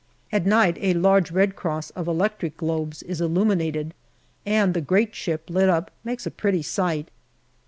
At night a large red cross of electric globes is illuminated, and the great ship, lit up, makes a pretty sight.